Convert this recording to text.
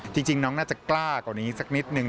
จริงน้องน่าจะกล้ากว่านี้สักนิดนึง